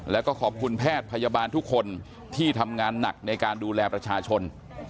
แล้วก็ขอบคุณแพทย์พยาบาลทุกคนที่ทำงานหนักในการดูแลประชาชน